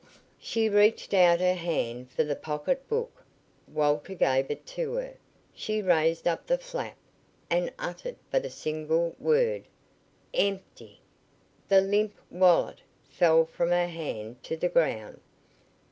She reached out her hand for the pocketbook. Walter gave it to her. She raised up the flap, and uttered but a single word: "Empty!" The limp wallet fell from her hand to the ground.